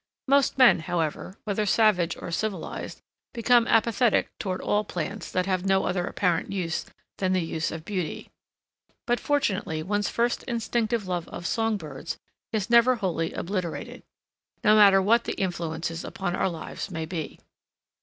Most men, however, whether savage or civilized, become apathetic toward all plants that have no other apparent use than the use of beauty. But fortunately one's first instinctive love of song birds is never wholly obliterated, no matter what the influences upon our lives may be.